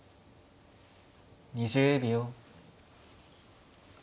２０秒。